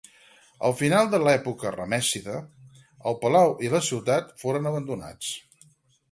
Al final de l'època ramèssida el palau i la ciutat foren abandonats.